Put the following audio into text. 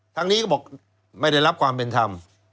ทางนี้ก็บอกไม่ได้รับความเป็นธรรม